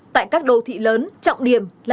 tại các đô thị lớn trọng điểm là